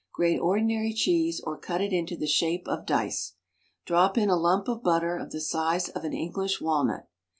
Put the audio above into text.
Grate ordinary cheese or cut it into the shape of dice. Drop in a lump of butter of the size of an English walnut.